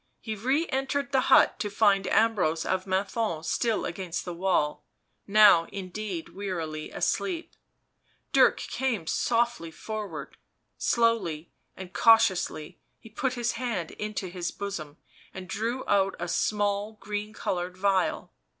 He re entered the hut to find Ambrose of Menthon still against the wall, now indeed wearily asleep ; Dirk came softly forward ; slowly and cautiously he put his hand into his bosom and drew out a small green coloured phial.